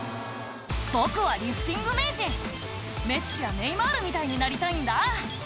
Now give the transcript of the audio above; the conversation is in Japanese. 「僕はリフティング名人」「メッシやネイマールみたいになりたいんだ」